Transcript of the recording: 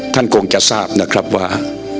คงจะทราบนะครับว่า